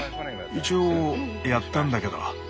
一応やったんだけど。